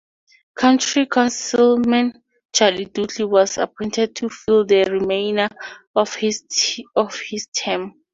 County councilman Charlie Dooley was appointed to fill the remainder of his term.